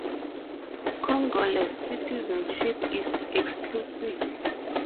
Congolese citizenship is exclusive.